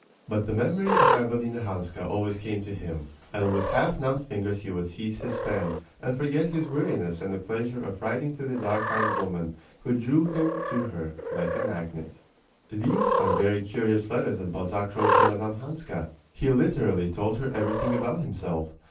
But the memory of Evelina Hanska always came to him; and with half numbed fingers he would seize his pen, and forget his weariness in the pleasure of writing to the dark eyed woman who drew him to her like a magnet. These are very curious letters that Balzac wrote to Mme. Hanska. He literally told her everything about himself.